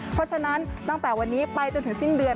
เพราะฉะนั้นตั้งแต่วันนี้ไปจนถึงสิ้นเดือน